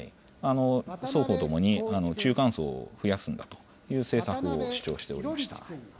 双方ともに、中間層を増やすんだという政策を主張しておりました。